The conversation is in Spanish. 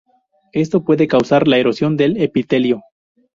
Esto puede causar la erosión del epitelio.